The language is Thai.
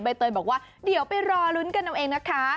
เตยบอกว่าเดี๋ยวไปรอลุ้นกันเอาเองนะคะ